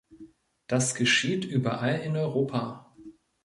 Das geschieht überall in Europa.